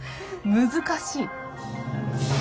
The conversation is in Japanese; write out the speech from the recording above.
難しい。